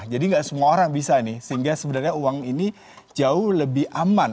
jadi nggak semua orang bisa nih sehingga sebenarnya uang ini jauh lebih aman